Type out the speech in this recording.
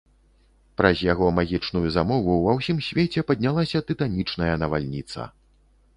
Праз яго магічную замову ва ўсім свеце паднялася тытанічная навальніца.